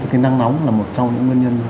cái nắng nóng là một trong những nguyên nhân